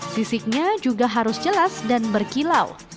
sisiknya juga harus jelas dan berkilau